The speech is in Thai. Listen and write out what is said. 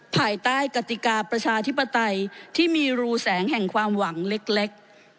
ภายใต้กติกาประชาธิปไตยที่มีรูแสงแห่งความหวังเล็ก